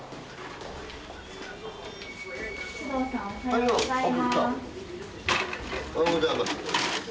おはようございます。